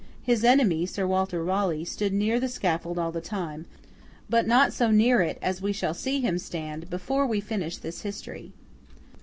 His enemy, Sir Walter Raleigh, stood near the scaffold all the time—but not so near it as we shall see him stand, before we finish his history.